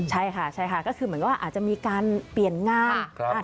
ใช่ค่ะก็คือเหมือนว่าอาจจะมีการเปลี่ยนงาน